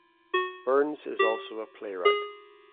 Burns is also a playwright.